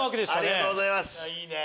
ありがとうございます。